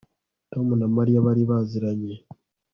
Tom na Mariya bari baziranye